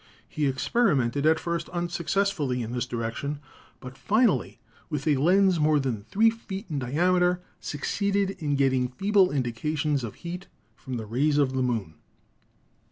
He experimented, at first unsuccessfully, in this direction, but finally with a lens more than three feet in diameter suc ceeded in getting feeble indications of heat from the rays of the moon.